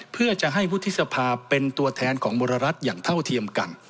เพื่อจะให้วุฒิสภาเป็นตัวแทนของมรรัฐอย่างเท่าเทียมกัน